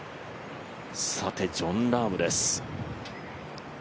ジョン・ラームです。